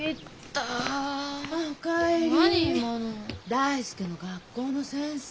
大介の学校の先生。